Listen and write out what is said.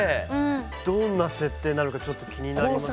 どんな設定なのかちょっと気になりますね。